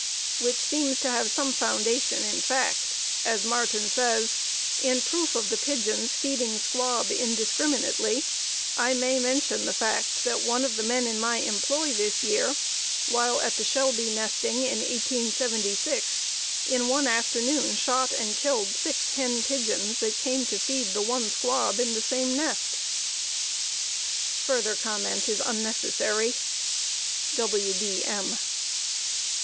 which seems to have some foundation in fact, as Martin says: "In proof of the pigeons feeding squab indiscriminately, I may mention the fact that one of the men in my employ this year, while at the Shelby nesting in 1876 in one afternoon shot and killed six hen pigeons that came to feed the one squab in the same nest." Further comment is unnecessary. W. B. M.